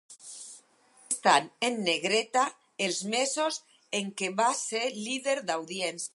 Estan en negreta els mesos en què va ser líder d'audiència.